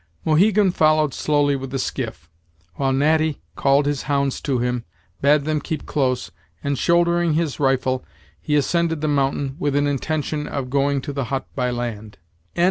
Mohegan followed slowly with the skiff, while Natty called his hounds to him, bade them keep close, and, shouldering his rifle, he ascended the mountain, with an intention of going to the hut by land.